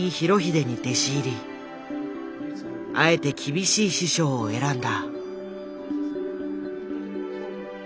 あえて厳しい師匠を選んだ。